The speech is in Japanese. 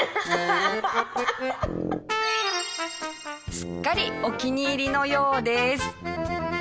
すっかりお気に入りのようです。